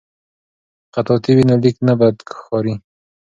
که خطاطي وي نو لیک نه بد ښکاریږي.